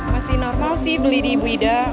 masih normal sih beli di ibu ida